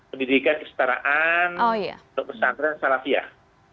pendidikan kestaraan untuk pesantren salafiyah